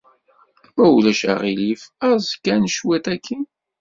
Ma ulac aɣilif, aẓ kan cwiṭ akkin.